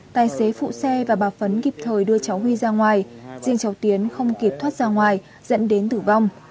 tài xế phụ xe và bà phấn kịp thời đưa cháu huy ra ngoài riêng cháu tiến không kịp thoát ra ngoài dẫn đến tử vong